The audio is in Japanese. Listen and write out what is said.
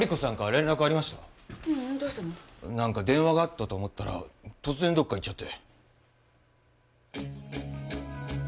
なんか電話があったと思ったら突然どっか行っちゃって。